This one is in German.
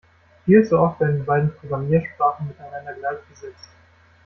Viel zu oft werden die beiden Programmiersprachen miteinander gleichgesetzt.